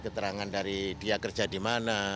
keterangan dari dia kerja di mana